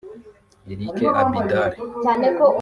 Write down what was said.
Eric Abidal